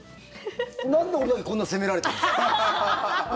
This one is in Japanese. なんで俺だけこんな責められてるんですか？